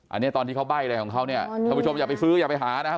อันนี้ตอนที่เขาใบ้อะไรของเขาเนี่ยท่านผู้ชมอย่าไปซื้ออย่าไปหานะครับ